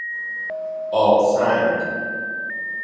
آبسنگ